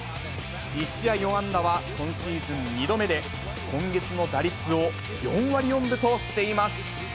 １試合４安打は今シーズン２度目で、今月の打率を４割４分としています。